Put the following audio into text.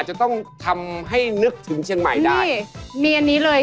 จะต้องทำให้นึกถึงเชียงใหม่ได้มีอันนี้เลย